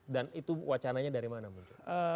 dan itu wacananya dari mana muncul